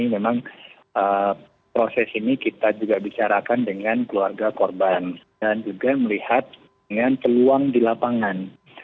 memang proses ini kita juga bicarakan dengan keluarga korban dan juga melihat dengan peluang di lapangan